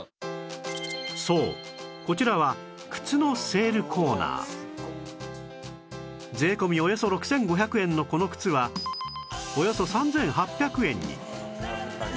そうこちらは税込みおよそ６５００円のこの靴はおよそ３８００円に